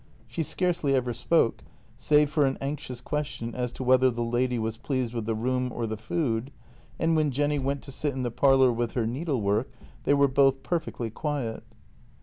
She scarcely ever spoke, save for an anxious question as to whether the lady was pleased with the room or the food, and when Jenny went to sit in the parlour with her needlework they were both per fectly quiet.